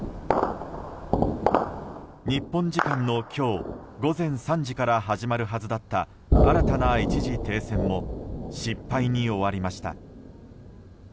日本時間の今日午前３時から始まるはずだった新たな一時停戦も失敗に終わりました。